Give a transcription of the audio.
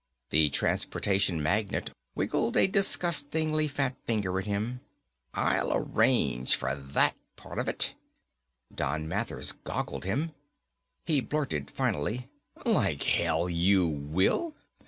The transportation magnate wiggled a disgustingly fat finger at him, "I'll arrange for that part of it." Don Mathers goggled him. He blurted finally, "Like hell you will.